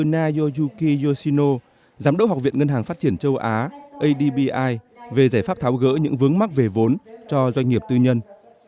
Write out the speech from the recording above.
naoyuki yoshino giám đốc học viện ngân hàng phát triển châu á về giải pháp tháo gỡ những vướng mắc về vốn cho doanh nghiệp tư nhân